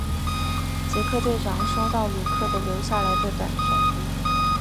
杰克队长收到鲁克的留下来的短片。